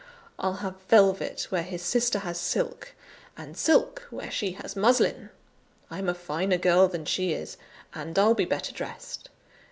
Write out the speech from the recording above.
I'll have velvet where his sister has silk, and silk where she has muslin: I'm a finer girl than she is, and I'll be better dressed.